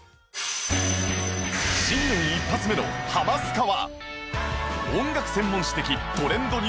新年一発目の『ハマスカ』は